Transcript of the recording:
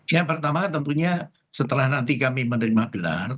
yang pertama tentunya setelah nanti kami menerima gelar